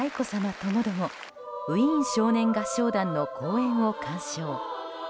ともどもウィーン少年合唱団の公演を鑑賞。